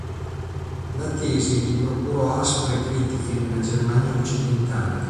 La tesi gli procurò aspre critiche nella Germania Occidentale.